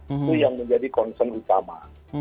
itu yang menjadi concern utama